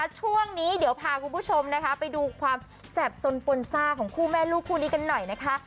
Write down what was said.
ช่วงนี้เดี๋ยวพาคุณผู้ชมนะคะไปดูความแสบสนปนซ่าของคู่แม่ลูกคู่นี้กันหน่อยนะคะ